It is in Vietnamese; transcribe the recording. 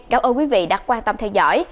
cảm ơn quý vị đã quan tâm theo dõi